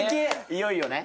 いよいよね。